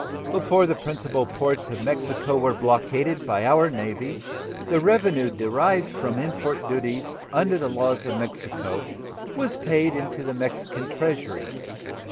Before the principal ports of Mexico were blockaded by our Navy the revenue derived from import duties under the laws of Mexico was paid into the Mexican treasury.